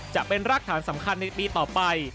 จะเป็นรากฐานสำคัญในปีต่อไป